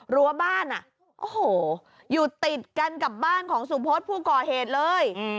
รั้วบ้านโอ้โหอยู่ติดกันกับบ้านของสุพศผู้ก่อเหตุเลย